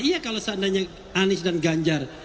iya kalau seandainya anies dan ganjar